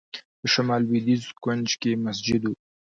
د شمال لوېدیځ کونج کې مسجد و.